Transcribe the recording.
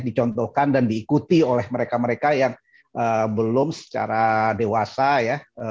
dicontohkan dan diikuti oleh mereka mereka yang belum secara dewasa ya